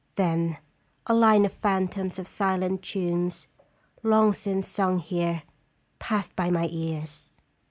Then a line of phantoms of silent tunes, long since sung here, passed by my ears.